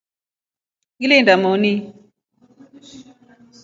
Ngilinda moni.